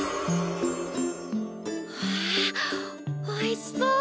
うわおいしそう！